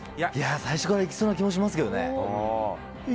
最初から行きそうな気もしますけどね。